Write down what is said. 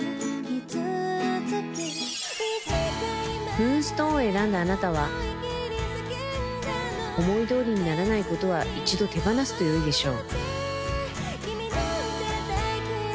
ムーンストーンを選んだあなたは思いどおりにならないことは一度手放すとよいでしょう